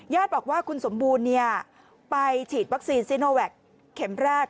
บอกว่าคุณสมบูรณ์ไปฉีดวัคซีนซีโนแวคเข็มแรก